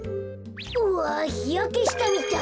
うわひやけしたみたい。